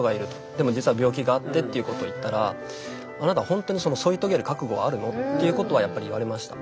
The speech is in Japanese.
でも実は病気があってっていうことを言ったら「あなたほんとに添い遂げる覚悟はあるの？」っていうことはやっぱり言われました。